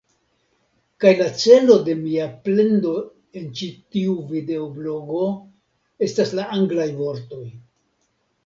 Kaj la celo de mia plendo en ĉi tiu videoblogo estas la anglaj vortoj